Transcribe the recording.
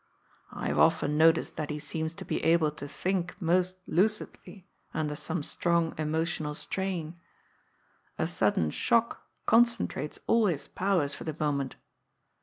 I have often noticed that he seems to be able to think most lucidly under some strong emotional strain. A sudden shock concentrates all his powers for the moment.